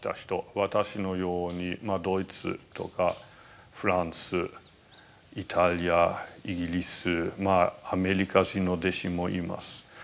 私のようにドイツとかフランスイタリアイギリスまあアメリカ人の弟子もいます。